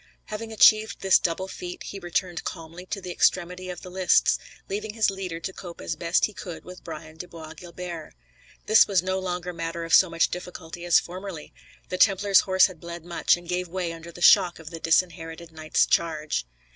Having achieved this double feat, he returned calmly to the extremity of the lists, leaving his leader to cope as best he could with Brian de Bois Guilbert. This was no longer matter of so much difficulty as formerly. The Templar's horse had bled much, and gave way under the shock of the Disinherited Knight's charge.